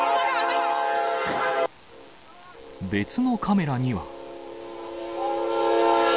別のカメラには。